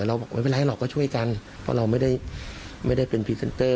เราบอกไม่เป็นไรหรอกก็ช่วยกันเพราะเราไม่ได้เป็นพรีเซนเตอร์